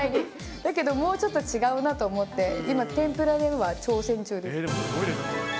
だけどもうちょっと違うなと思って、今、天ぷらを挑戦中です。